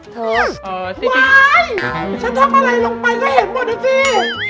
เธออ๋อสิฉันทำอะไรลงไปก็เห็นหมดนะสิ